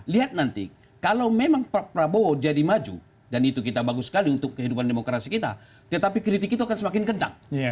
lihat nanti kalau memang pak prabowo jadi maju dan itu kita bagus sekali untuk kehidupan demokrasi kita tetapi kritik itu akan semakin kencang